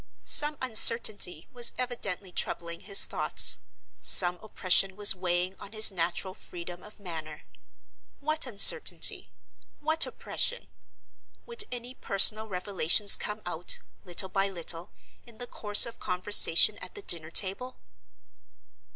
Some uncertainty was evidently troubling his thoughts; some oppression was weighing on his natural freedom of manner. What uncertainty? what oppression? Would any personal revelations come out, little by little, in the course of conversation at the dinner table?